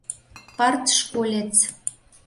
Партшколец.